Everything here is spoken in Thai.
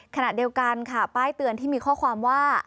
ขณะเดียวกันค่ะป้ายเตือนที่มีข้อความว่า